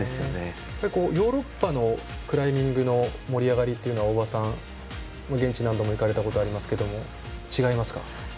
ヨーロッパのクライミングの盛り上がりっていうのは大場さん現地、何度も行かれたことありますけど違いますか？